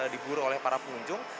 diburu oleh para pengunjung